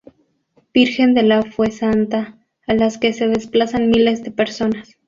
Virgen de la Fuensanta, a las que se desplazan miles de personas.